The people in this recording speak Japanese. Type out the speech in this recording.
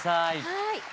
はい。